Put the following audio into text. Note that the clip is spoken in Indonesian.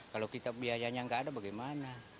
kalau kita biayanya nggak ada bagaimana